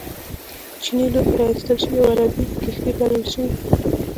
چینی لوښي را ایستل شوي او عربي کښتۍ بلل شوي.